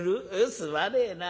すまねえな。